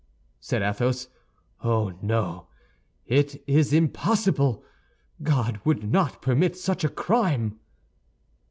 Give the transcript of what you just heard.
said Athos, "oh, no, it is impossible! God would not permit such a crime!"